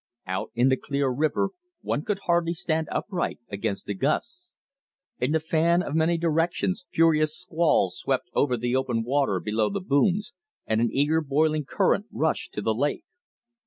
Out in the clear river one could hardly stand upright against the gusts. In the fan of many directions furious squalls swept over the open water below the booms, and an eager boiling current rushed to the lake.